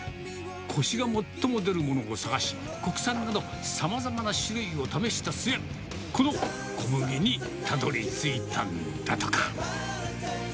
こしが最も出るものを探し、国産など、さまざまな種類を試した末、この小麦にたどりついたんだとか。